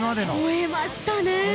超えましたね。